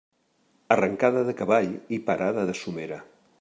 Arrancada de cavall i parada de somera.